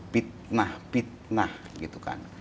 fitnah fitnah gitu kan